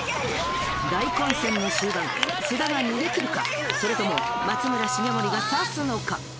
大混戦の終盤、須田が逃げ切るか、それとも松村、重盛が差すのか。